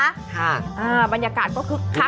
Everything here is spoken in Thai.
อ่าบรรยากาศก็คือคักควรสื่น